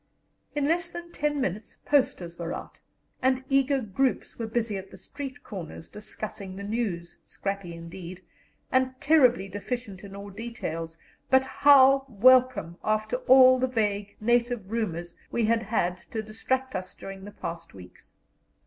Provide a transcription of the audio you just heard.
In less than ten minutes posters were out, and eager groups were busy at the street corners, discussing the news, scrappy indeed, and terribly deficient in all details, but how welcome, after all the vague native rumours we had had to distract us during the past weeks!